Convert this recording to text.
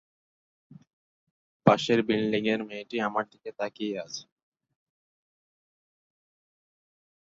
স্থপতি Juan Mora দ্বারা নির্মিত এই স্থাপনাটি স্পেনের ইসলামী সম্প্রদায়গুলির সমিতি এবং মাদ্রিদের ইসলামী সম্প্রদায়ের সদর দফতর হিসাবে উল্লেখিত।